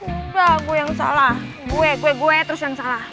enggak gue yang salah gue kue gue terus yang salah